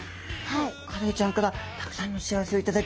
カレイちゃんからたくさんの幸せを頂き